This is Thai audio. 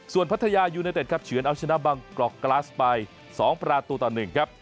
ส่วนพัทยายูเนเต็ดครับเฉือนเอาชนะบังกรอกกลาสไป๒ประตูต่อ๑ครับ